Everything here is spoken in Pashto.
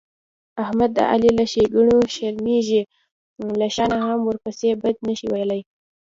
احمد د علي له ښېګڼونه شرمېږي، له شا نه هم ورپسې بد نشي ویلای.